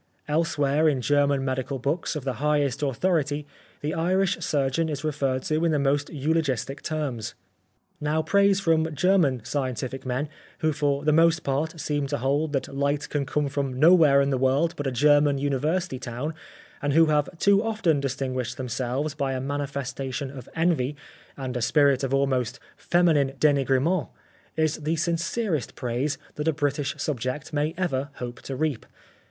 Elsewhere in German medical books of the highest authority, the Irish surgeon is referred to in the most eulo gistic terms. Now praise from German scientific men, who for the most part seem to hold that light can come from nowhere in the world but a German university town, and who have too often distinguished themselves by a manifesta tion of envy and a spirit of almost feminine d^nigrement, is the sincerest praise that a British subject may ever hope to reap.